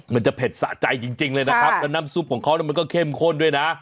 มันจะเผ็ดสะใจจริงเลยนะครับแล้วน้ำซุปของเขามันก็เข้มข้นด้วยนะ